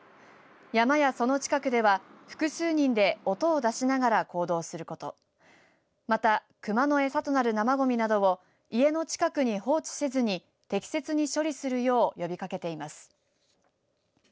山やその近くでは複数人で音を出しながら行動することまた、熊の餌となる生ごみなどを家の近くに放置せずに適切に処理するよう呼びかけています。